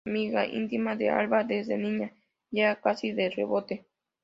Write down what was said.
Amiga íntima de Alba desde niña, llega casi de rebote.